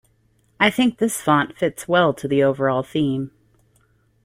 I think this font fits well to the overall theme.